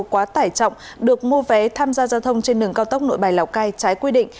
quá tải trọng được mua vé tham gia giao thông trên đường cao tốc nội bài lào cai trái quy định